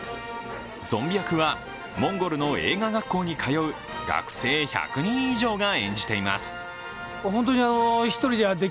ゾンビ役はモンゴルの映画学校に通う学生１００人以上が演じています。